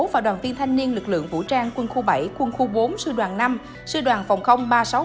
và đoàn viên thanh niên lực lượng vũ trang quân khu bảy quân khu bốn sư đoàn năm sư đoàn phòng ba trăm sáu mươi tám